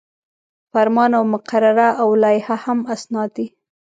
فرمان او مقرره او لایحه هم اسناد دي.